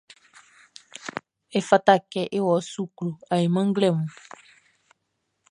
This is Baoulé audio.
Efata kɛ n wɔ suklu ainman nglɛmun.